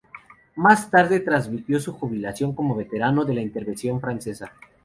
Más tarde tramitó su jubilación como veterano de la Intervención Francesa.